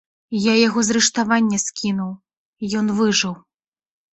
Я яго з рыштавання скінуў, ён выжыў.